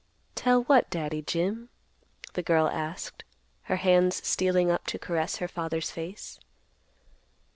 "Tell what, Daddy Jim?" the girl asked, her hands stealing up to caress her father's face.